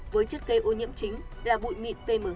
với chất cây ô nhiễm chính là bụi mịn pm hai năm